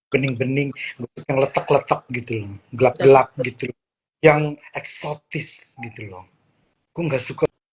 bening bening yang letak letak gitu loh gelap gelap gitu yang eksotis gitu loh aku nggak suka